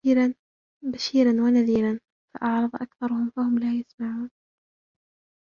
بَشِيرًا وَنَذِيرًا فَأَعْرَضَ أَكْثَرُهُمْ فَهُمْ لَا يَسْمَعُونَ